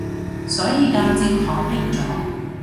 所以間接躺平咗